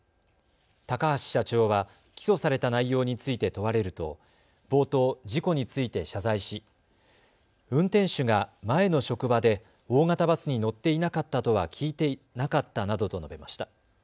高橋社長は起訴された内容について問われると冒頭、事故について謝罪し運転手が前の職場で大型バスに乗っていなかったとは聞いていなかったなどと述べました。